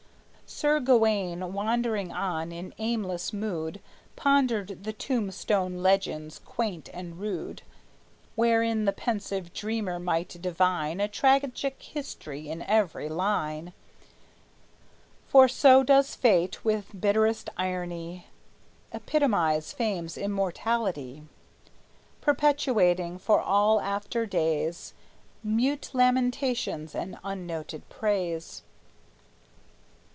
Sir Gawayne, wandering on in aimless mood, Pondered the tomb stone legends, quaint and rude, Wherein the pensive dreamer might divine A tragic history in every line; For so does fate, with bitterest irony, Epitomize fame's immortality, Perpetuating for all after days Mute lamentations and unnoted praise.